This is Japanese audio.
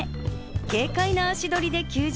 軽快な足取りで球場